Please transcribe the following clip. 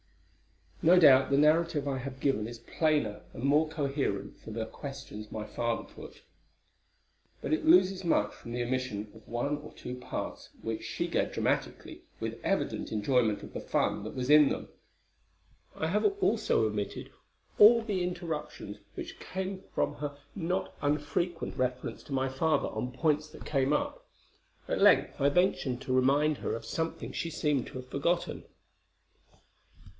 No doubt the narrative I have given is plainer and more coherent for the questions my father put; but it loses much from the omission of one or two parts which she gave dramatically, with evident enjoyment of the fun that was in them. I have also omitted all the interruptions which came from her not unfrequent reference to my father on points that came up. At length I ventured to remind her of something she seemed to have forgotten.